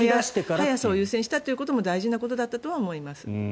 速さを優先したのも大事なことだったとは思います。